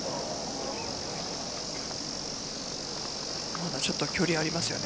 まだちょっと距離ありますよね。